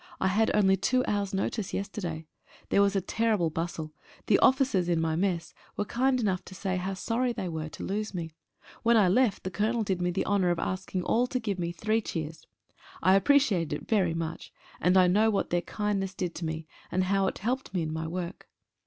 I had only two hours' notice yesterday. There was a terrible bustle. The officers in my mess were kind enough to say how sorry they were to lose me. When I left the Colonel did me the honour of asking all to give me three cheers. I appreciated it very much, and I know what their kindness did to me, and how it helped me in my work.